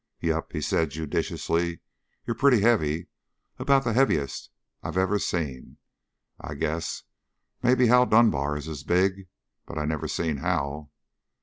"Yep," he said judiciously, "you're pretty heavy. About the heaviest I ever seen, I guess. Maybe Hal Dunbar is as big, but I never seen Hal."